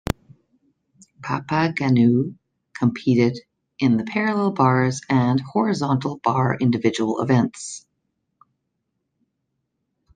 Papaigannou competed in the parallel bars and horizontal bar individual events.